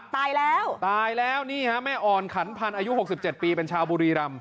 ตายแล้วตายแล้วนี่ฮะแม่อ่อนขันพันธ์อายุ๖๗ปีเป็นชาวบุรีรำ